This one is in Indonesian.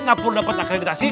engga perlu dapet akreditasi